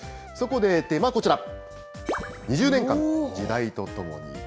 そこでテーマはこちら、２０年間時代とともに。